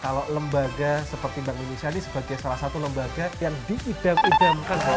kalau lembaga seperti bank indonesia ini sebagai salah satu lembaga yang diidam idamkan